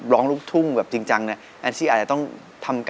เพราะว่าเพราะว่าเพราะว่าเพราะ